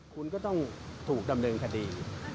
คุณก็ต้องถูกดำเนินคดี